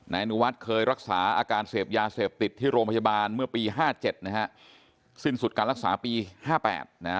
นายอันวัดเคยรักษาอาการเสพยาเสพติดที่โรงพยาบาลเมื่อปี๕๗นะฮะสิ้นสุดการรักษาปี๕๘นะฮะ